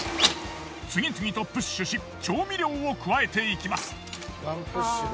次々とプッシュし調味料を加えていきます。